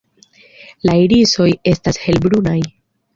La irisoj estas helbrunaj.